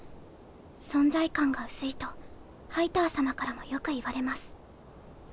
存在感が薄いとハイター様からもよく言われます。